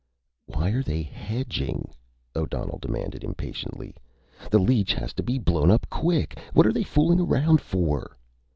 "Why are they hedging?" O'Donnell demanded impatiently. "The leech has to be blown up quick. What are they fooling around for?"